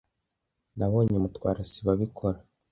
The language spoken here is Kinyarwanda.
nabonye Mutwara sibo abikora.